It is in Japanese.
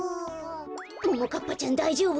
ももかっぱちゃんだいじょうぶ？